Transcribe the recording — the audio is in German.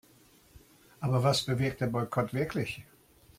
Aber was bewirkt der Boykott wirklich?